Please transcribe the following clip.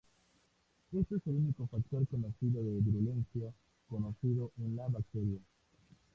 Este es el único factor conocido de virulencia conocido en la bacteria.